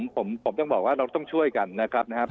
ผมต้องบอกว่าเราต้องช่วยกันนะครับ